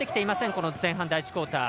この前半第１クオーター。